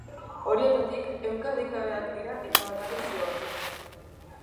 Horietatik, ehunka adingabeak dira eta bakarrik zihoazen.